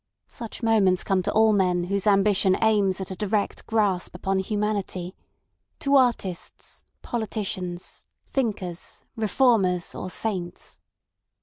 Such moments come to all men whose ambition aims at a direct grasp upon humanity—to artists, politicians, thinkers, reformers, or saints.